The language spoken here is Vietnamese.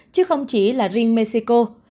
chứ không chỉ là riêng mexico